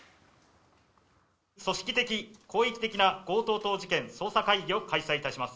組織的、広域的な強盗等事件捜査会議を開催いたします。